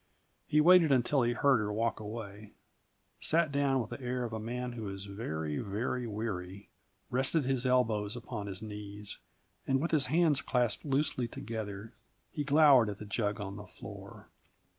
He waited until he heard her walk away, sat down with the air of a man who is very, very weary, rested his elbows upon his knees, and with his hands clasped loosely together, he glowered at the jug on the floor.